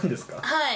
はい。